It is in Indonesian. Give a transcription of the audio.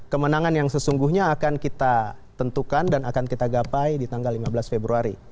kemenangan yang sesungguhnya akan kita tentukan dan akan kita gapai di tanggal lima belas februari